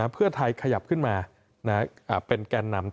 เพื่อไทยขยับขึ้นมาเป็นแกนนำ